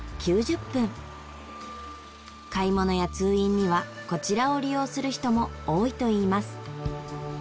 買い物や通院にはこちらを利用する人も多いといいます。